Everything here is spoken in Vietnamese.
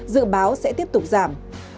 dự báo sẽ tiếp tục giảm